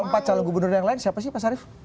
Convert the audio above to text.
empat calon gubernur yang lain siapa sih pak syarif